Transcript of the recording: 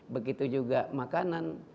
begitu juga makanan